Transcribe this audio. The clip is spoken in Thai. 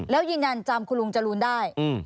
แล้วยืนยันจำคุณลุงจรูนได้